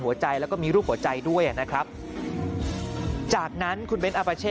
หัวใจแล้วก็มีรูปหัวใจด้วยนะครับจากนั้นคุณเบ้นอาปาเช่